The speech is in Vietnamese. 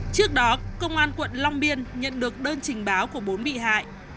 trước đó công an quận long biên nhận được đơn trình báo của bốn bị hại